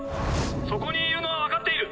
そこにいるのは分かっている。